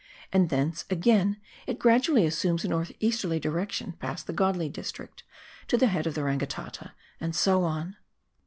and thence, again, it gradually assumes a north easterly direction past the Godley district to the head of the Rangitata, and so on.